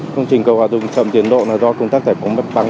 công trình cầu hạ dục chậm tiến độ là do công tác giải phóng mặt bằng